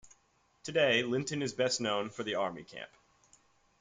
Today Linton is best known for the army camp.